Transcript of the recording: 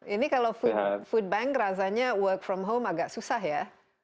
ini kalau food bank rasanya work from home agak susah ya